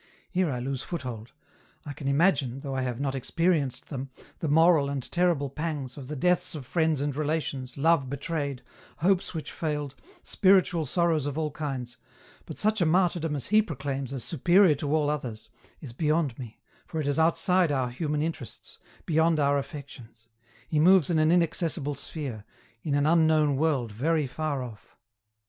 Here I lose foothold. I can imagine, though I have not experienced them, the moral and terrible pangs, of the deaths of friends and relations, love betrayed, hopes which failed, spiritual sorrows of all kinds, but such a martyrdom as he proclaims as superior to all others, is beyond me, for it is outside our human interests, beyond our affections ; he moves in an inaccessible sphere, in an un known world very far off.